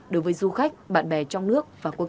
đối với du khách bạn bè trong nước và quốc tế